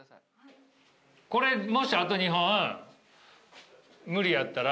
これもしあと２本。